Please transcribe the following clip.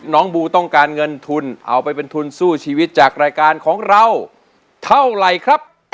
บูต้องการเงินทุนเอาไปเป็นทุนสู้ชีวิตจากรายการของเราเท่าไหร่ครับ